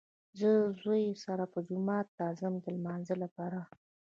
زه زوی سره مې جومات ته ځم د لمانځه لپاره